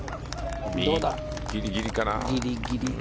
ギリギリかな。